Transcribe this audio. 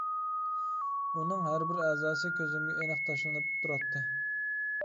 ئۇنىڭ ھەر بىر ئەزاسى كۆزۈمگە ئېنىق تاشلىنىپ تۇراتتى.